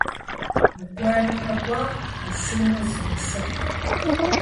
УкӀуэнумэ-кӀуэ, ушынэу зумышыхь.